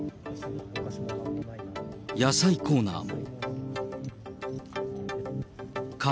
野菜コーナーも。